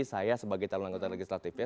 saya sebagai calon anggota legislatifnya